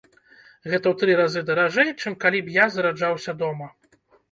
Гэта ў тры разы даражэй, чым калі б я зараджаўся дома!